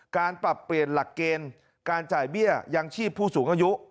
การปรับเปลี่ยนหลักเกณฑ์การจ่ายเบี้ยยังชีพผู้สูงอายุ